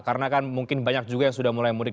karena kan mungkin banyak juga yang sudah mulai mudik